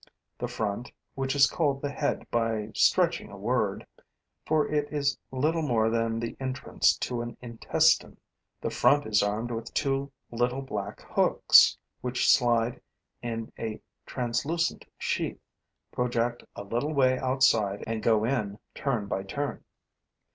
The front, which is called the head by stretching a word for it is little more than the entrance to an intestine the front is armed with two little black hooks, which slide in a translucent sheath, project a little way outside and go in turn by turn.